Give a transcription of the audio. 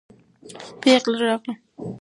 پېغله راغله.